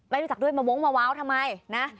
ไม่รู้จักด้วยมาวงมาว้าวทำไมนะ